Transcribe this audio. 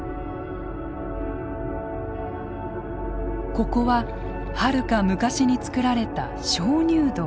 ここははるか昔につくられた鍾乳洞。